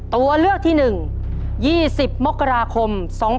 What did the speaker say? ตัวเลือกที่๑๒๐มกราคม๒๕๖๒